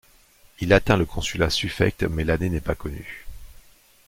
Il atteint le consulat suffect mais l'année n'est pas connue.